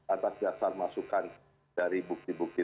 atas dasar masukan dari bukti bukti